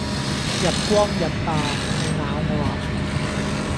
日光日白,你咬我呀?